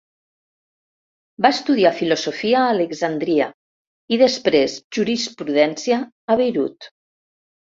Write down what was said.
Va estudiar filosofia a Alexandria i després jurisprudència a Beirut.